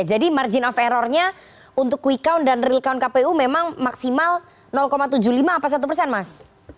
jadi margin of errornya untuk quick count dan real count kpu memang maksimal tujuh puluh lima apa satu mas